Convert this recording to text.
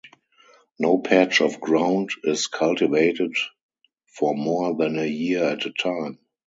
No patch of ground is cultivated for more than a year at a time.